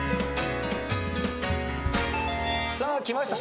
さあきました。